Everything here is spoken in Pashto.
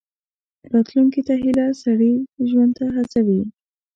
راتلونکي ته هیله، سړی ژوند ته هڅوي.